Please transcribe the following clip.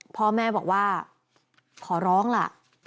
พ่อแม่บอกว่าขอร้องล่ะ